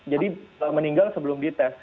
jadi meninggal sebelum dites